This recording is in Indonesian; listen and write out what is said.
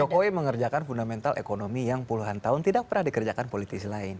jokowi mengerjakan fundamental ekonomi yang puluhan tahun tidak pernah dikerjakan politisi lain